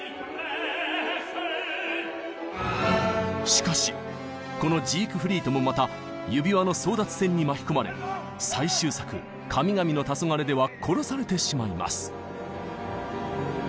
しかしこのジークフリートもまた指環の争奪戦に巻き込まれ最終作「神々のたそがれ」では殺されてしまいます。